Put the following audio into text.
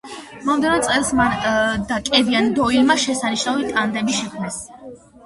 მომდევნო წელს მან და კევინ დოილმა შესანიშნავი ტანდემი შექმნეს.